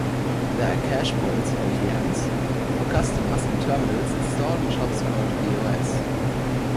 There are cashpoints(ATMs) for customers and terminals installed in shops called POS.